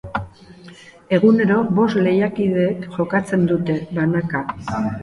Egunero bost lehiakidek jokatzen dute, banaka.